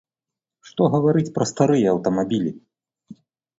Што гаварыць пра старыя аўтамабілі.